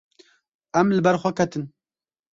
Em li ber xwe ketin.